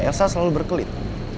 elsa selalu berkelit